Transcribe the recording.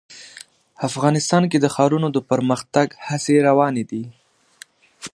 افغانستان کې د ښارونه د پرمختګ هڅې روانې دي.